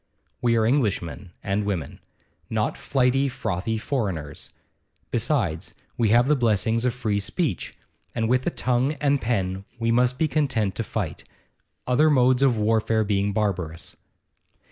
We are Englishmen and women not flighty, frothy foreigners. Besides, we have the blessings of free speech, and with the tongue and pen we must be content to fight, other modes of warfare being barbarous.